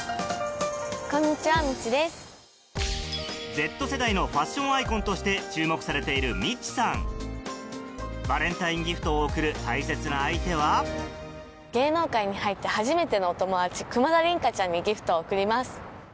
Ｚ世代のファッションアイコンとして注目されているバレンタインギフトを贈る大切な相手は芸能界に入って初めてのお友達久間田琳加ちゃんにギフトを贈ります。